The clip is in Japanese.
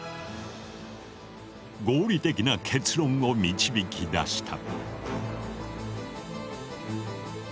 合理的な結論を導き出した。